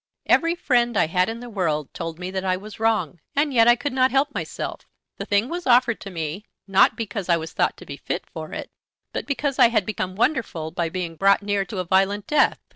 Every friend I had in the world told me that I was wrong, and yet I could not help myself. The thing was offered to me, not because I was thought to be fit for it, but because I had become wonderful by being brought near to a violent death!